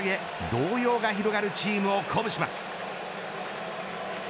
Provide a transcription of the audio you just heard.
動揺が広がるチームを鼓舞します。